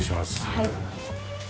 はい。